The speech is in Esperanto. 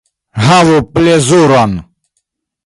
Havu plezuron!